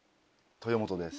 豊本です。